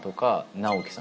直己さん